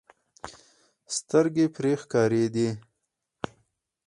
سترګې پرې ښکارېدې.